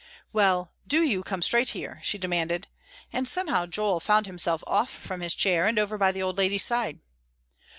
"Well, do you come straight here," she demanded; and somehow Joel found himself off from his chair, and over by the old lady's side.